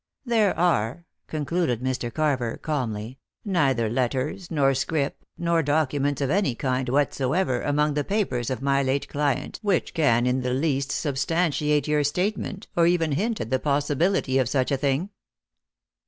There are," concluded Mr. Carver calmly, "neither letters, nor scrip, nor documents of any kind whatsoever among the papers of my late client which can in the least substantiate your statement, or even hint at the possibility of such a thing."